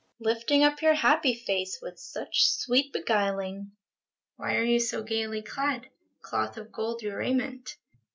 Lifting up your happy face. With such sweet beguiling, Why are you so gayly clad — Cloth of gold your raiment